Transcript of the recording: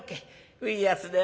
ういやつである。